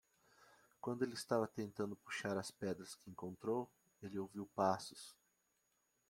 Quando ele estava tentando puxar as pedras que encontrou? ele ouviu passos.